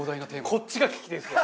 こっちが聞きてえっすわ。